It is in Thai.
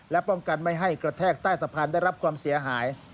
และป้องกันไม่ให้กระแทกใต้สะพานได้รับความเสียหาย